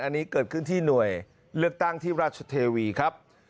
อันนี้เกิดขึ้นที่หน่วยเลือกตั้งที่ราชเทวีครับ